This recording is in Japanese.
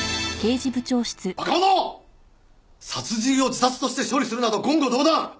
殺人を自殺として処理するなど言語道断。